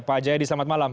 pak jaya di selamat malam